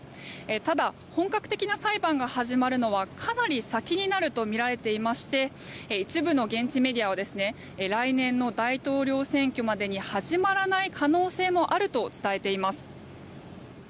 ただ、本格的な裁判が始まるのはかなり先になるとみられていまして一部の現地メディアは来年の大統領選挙までに始まらない可能性もあると伝えています。